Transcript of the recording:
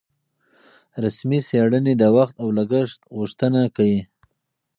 رسمي څېړنې د وخت او لګښت غوښتنه کوي.